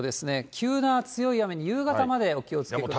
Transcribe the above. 急な強い雨に夕方までお気をつけください。